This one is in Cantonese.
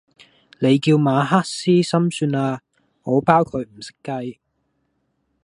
你叫馬克思心算啊，我包佢唔識計!